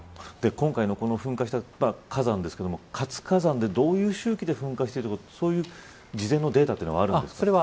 今回の噴火した火山ですが活火山でどういう周期で噴火しているとかそういう事前のデータはあるんですか。